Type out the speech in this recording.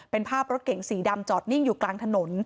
เป็นภาพรถเก๋งสีดำจอดนิ่งอยู่กลางถนน